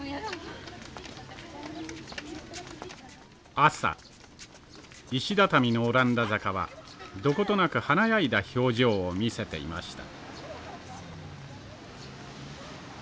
朝石だたみのオランダ坂はどことなく華やいだ表情を見せていました。